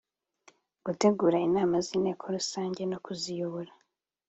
gutegura inama z inteko rusange no kuziyobora